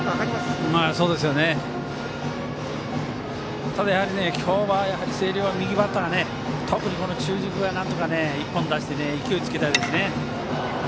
ただ、今日は星稜は右バッターが特に中軸がなんとか一本出して勢いをつけたいですね。